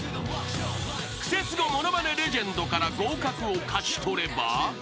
［クセスゴものまねレジェンドから合格を勝ち取れば］